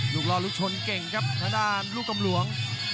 รอลูกชนเก่งครับทางด้านลูกกำหลวง